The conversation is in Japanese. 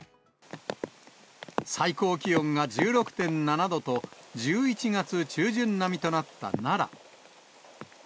最高気温が１６．７度と、１１月中旬並みとなった奈良。